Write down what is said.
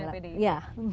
gak ada lah